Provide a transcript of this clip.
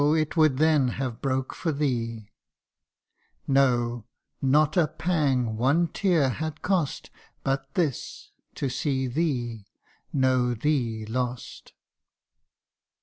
it would then have broke for thee ! No, not a pang one tear had cost But this to see thee, know thee, lost